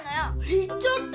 言っちゃった